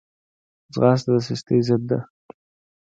ځغاسته د سستۍ ضد ده